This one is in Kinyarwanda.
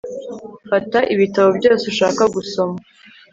Fata ibitabo byose ushaka gusoma